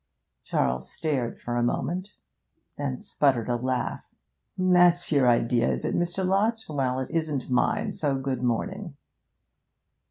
Charles stared for a moment, then sputtered a laugh. 'That's your idea, is it, Mr. Lott? Well, it isn't mine. So, good morning!'